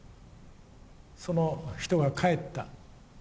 その人が帰った。